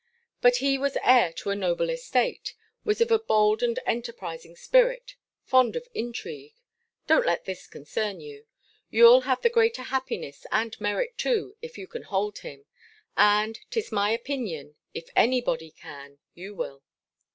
But he was heir to a noble estate, was of a bold and enterprising spirit, fond of intrigue Don't let this concern you You'll have the greater happiness, and merit too, if you can hold him; and, 'tis my opinion, if any body can, you will.